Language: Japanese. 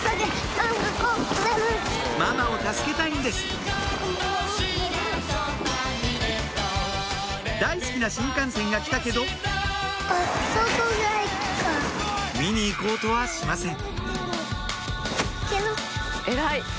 ママを助けたいんです大好きな新幹線が来たけど見に行こうとはしません